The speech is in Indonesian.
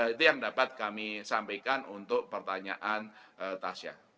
itu yang dapat kami sampaikan untuk pertanyaan tasyah